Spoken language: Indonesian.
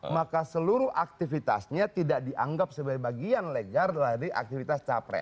maka seluruh aktivitasnya tidak dianggap sebagai bagian legar dari aktivitas capres